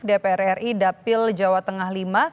dpr ri dapil jawa tengah v